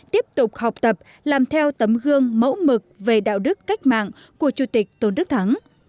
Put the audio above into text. tiếp tục học tập làm theo tấm gương mẫu mực về đạo đức cách mạng của chủ tịch tôn đức thắng